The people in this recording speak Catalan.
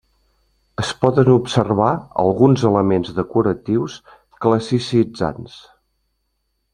Es poden observar alguns elements decoratius classicitzants.